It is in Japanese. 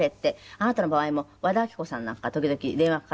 あなたの場合も和田アキ子さんなんか時々電話かかって。